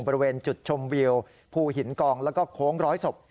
บริเวณจุดชมวิวภูหินกองแล้วก็โค้งร้อยศพ